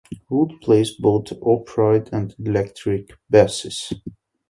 Wood plays both upright and electric basses.